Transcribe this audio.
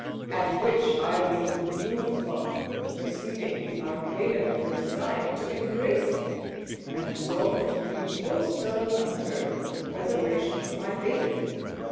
At which I was in the blue funk, perceiving the arcanum of her design to embrace me, and resolved to leave no stone unturned for the preservation of my bacon.